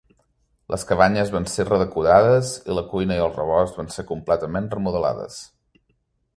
Les cabanyes van ser redecorades, i la cuina i el rebost van ser completament remodelades.